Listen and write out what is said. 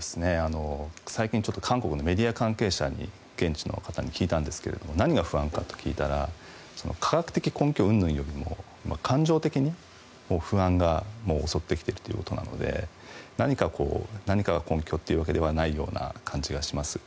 最近韓国のメディア関係者に現地の方に聞いたんですが何が不安かと聞いたら科学的根拠うんぬんよりも感情的に不安が襲ってきているということなので何かが根拠というわけではないような感じがします。